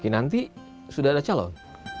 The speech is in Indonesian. nanti sudah ada calon